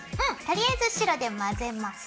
とりあえず白で混ぜます。